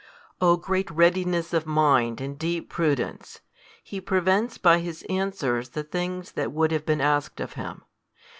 O great readiness of mind and deep prudence! He prevents by his answers the things that would have been asked of him.